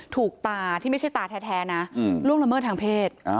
ถูกตาที่ไม่ใช่ตาแท้นะล่วงละเมิดทางเพศ